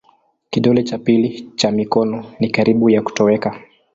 Kidole cha pili cha mikono ni karibu ya kutoweka.